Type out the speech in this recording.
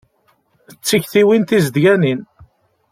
D tiktiwin tizedganin.